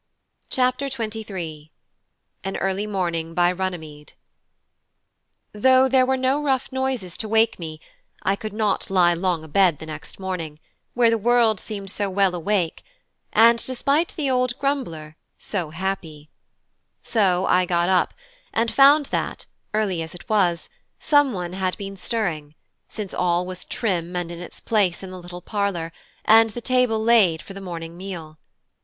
CHAPTER XXIII: AN EARLY MORNING BY RUNNYMEDE Though there were no rough noises to wake me, I could not lie long abed the next morning, where the world seemed so well awake, and, despite the old grumbler, so happy; so I got up, and found that, early as it was, someone had been stirring, since all was trim and in its place in the little parlour, and the table laid for the morning meal.